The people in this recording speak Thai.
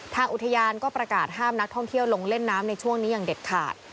ทางอุทยานก็ประกาศห้ามนักท่องเที่ยวลงเล่นน้ำในช่วงนี้อย่างเด็ดขาด